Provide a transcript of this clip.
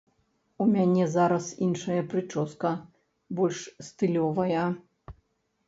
У мяне зараз іншая прычоска, больш стылёвая.